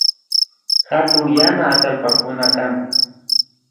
Hatun yana atallpakuna kan